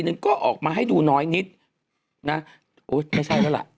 หนึ่งก็ออกมาให้ดูน้อยนิดนะโอ้ยไม่ใช่แล้วล่ะ